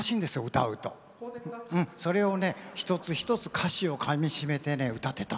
歌うとそれを一つ一つ歌詞をかみしめて歌ってた。